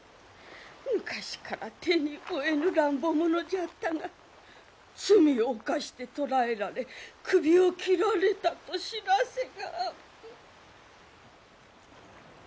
昔から手に負えぬ乱暴者じゃったが罪を犯して捕らえられ首を斬られたと知らせが。